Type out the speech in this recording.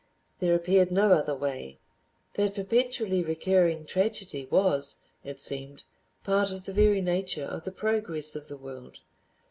There appeared no other way; that perpetually recurring tragedy was, it seemed, part of the very nature of the progress of the world.